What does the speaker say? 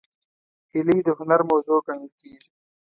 هیلۍ د هنر موضوع ګڼل کېږي